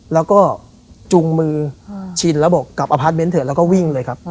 แล้วก็จุงมือชินแล้วบอกกลับอพาร์ทเมนต์เถอะแล้วก็วิ่งเลยครับ